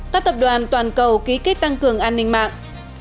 các tập đoàn toàn cầu ký kết tăng cường an ninh mạng